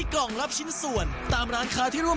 ส่งจริงได้จริง